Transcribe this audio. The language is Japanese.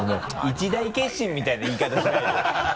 一大決心みたいな言い方しないで。